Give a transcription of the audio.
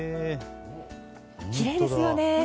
きれいですよね。